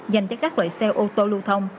dành cho các loại xe ô tô lưu thông